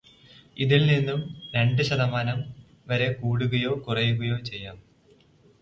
ഇതിൽ നിന്നും രണ്ടു ശതമാനം വരെ കൂടുകയോ കുറയുകയോ ചെയ്യാം.